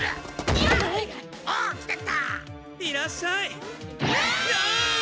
いらっしゃい。